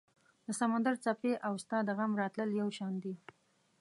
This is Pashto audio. د سمندر څپې او ستا د غم راتلل یو شان دي